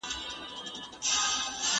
ځیني کسان پرمختیا په ټاکلي وخت کي څېړي.